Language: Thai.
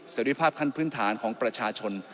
เสร็จภาพขั้นพื้นฐานของประชาชน